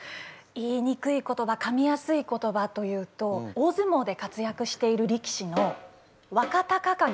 言いにくい言葉かみやすい言葉というと大ずもうで活躍している力士の若隆景。